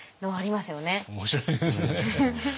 面白いですね。